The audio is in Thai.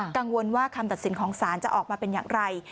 กังวลว่าคำตัดสินของศาลจะออกมาเป็นอย่างไร